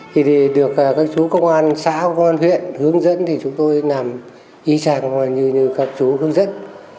thì được các chú công an xã công an huyện hướng dẫn thì chúng tôi làm ý chàng như các chú hướng dẫn